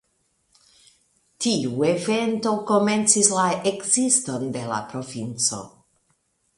Tiu evento komencis la ekziston de La Provinco.